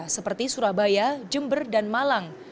seperti surabaya jember dan malang